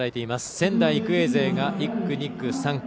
仙台育英勢が１区、２区、３区。